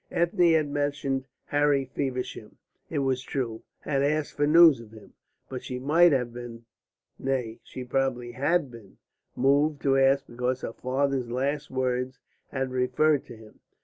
Ethne had mentioned Harry Feversham, it was true, had asked for news of him. But she might have been nay, she probably had been moved to ask because her father's last words had referred to him.